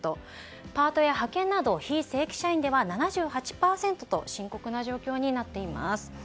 パートや派遣など非正規社員では７８％と深刻な状況になっています。